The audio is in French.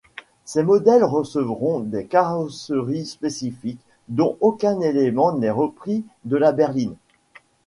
Ces modèles recevront des carrosseries spécifiques dont aucun élément n'est repris de la berline.